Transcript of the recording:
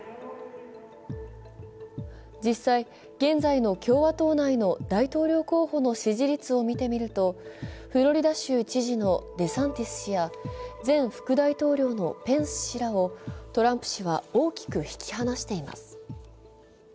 実際、現在の共和党内の大統領候補の支持率を見てみると、フロリダ州知事のデサンティス氏や前副大統領のペンス氏らをトランプ氏は大きく引き離しています。